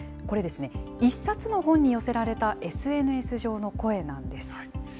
これですね、一冊の本に寄せられたＳＮＳ上の声なんです。